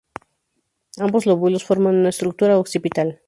Ambos lóbulos forman una estructura occipital.